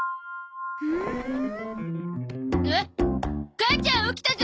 母ちゃん起きたゾ！